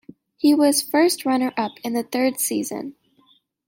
He was first runner-up in the third season.